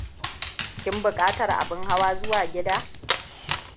Ki buƙatar abin hawa zuwa gida?